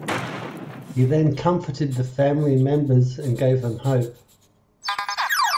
He then comforted the family members and gave them hope.